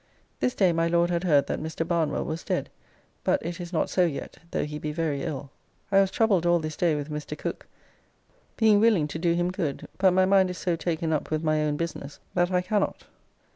This day my Lord had heard that Mr. Barnwell was dead, but it is not so yet, though he be very ill. I was troubled all this day with Mr. Cooke, being willing to do him good, but my mind is so taken up with my own business that I cannot.